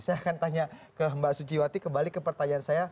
saya akan tanya ke mbak suciwati kembali ke pertanyaan saya